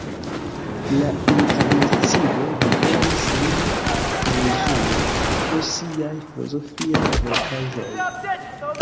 La inkvizicio deklaris lin herezulo pro siaj filozofiaj verkaĵoj.